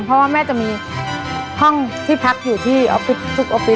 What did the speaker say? เพราะว่าแม่จะมีห้องที่พักอยู่ที่ออฟฟิศฝึกออฟฟิ